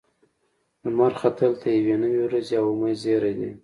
لمر ختل د یوې نوې ورځې او امید زیری دی.